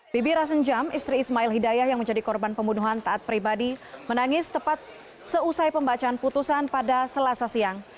bibi rasenjam istri ismail hidayah yang menjadi korban pembunuhan taat pribadi menangis tepat seusai pembacaan putusan pada selasa siang